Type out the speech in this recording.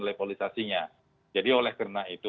levelisasinya jadi oleh karena itu